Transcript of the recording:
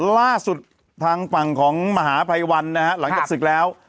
ล่าสุดทางฝั่งของมหาภัยวันนะฮะหลังจากศึกแล้ว